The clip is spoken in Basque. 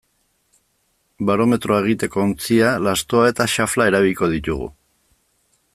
Barometroa egiteko ontzia, lastoa eta xafla erabiliko ditugu.